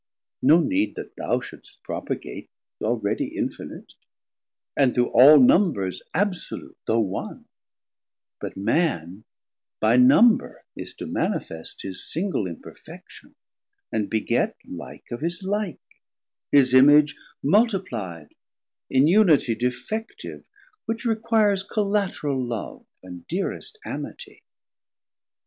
No need that thou Shouldst propagat, already infinite; 420 And through all numbers absolute, though One; But Man by number is to manifest His single imperfection, and beget Like of his like, his Image multipli'd, In unitie defective, which requires Collateral love, and deerest amitie.